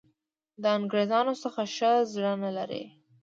د انګرېزانو څخه ښه زړه نه لري.